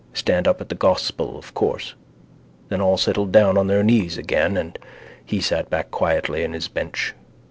Stand up at the gospel of course. Then all settled down on their knees again and he sat back quietly in his bench.